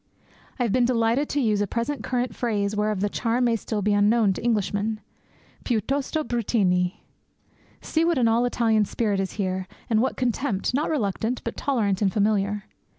I have been delighted to use a present current phrase whereof the charm may still be unknown to Englishmen "piuttosto bruttini." See what an all Italian spirit is here, and what contempt, not reluctant, but tolerant and familiar.